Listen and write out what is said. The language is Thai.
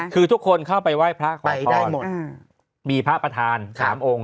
คือทุกคนเข้าไปไหว้พระไปได้หมดมีพระประธาน๓องค์